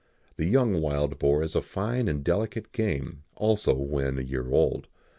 The young wild boar is a fine and delicate game, also, when a year old.